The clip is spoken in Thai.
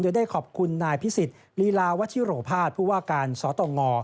โดยได้ขอบคุณนายพิสิทธิ์ลีลาวัชิโรภาษผู้ว่าการสตง